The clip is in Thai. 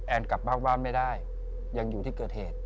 กลับบ้านบ้านไม่ได้ยังอยู่ที่เกิดเหตุ